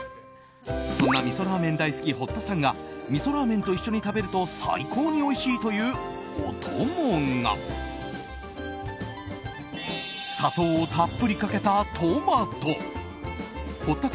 そんな、みそラーメン大好き堀田さんがみそラーメンと一緒に食べると最高においしいというお供が砂糖をたっぷりかけたトマト。